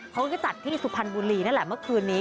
เขาก็จัดที่สุพรรณบุรีนั่นแหละเมื่อคืนนี้